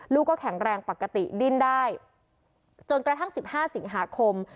ลูกก็แข็งแรงปกติดิ้นได้จนกระทั่งสิบห้าสิงหาคม